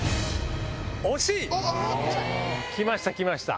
きましたきました。